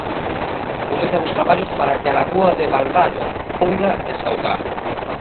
Comezan os traballos para que a lagoa de Baldaio poida desaugar.